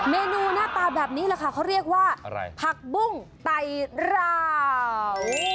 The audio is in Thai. เมนูหน้าตาแบบนี้แหละค่ะเขาเรียกว่าอะไรผักบุ้งไตรราว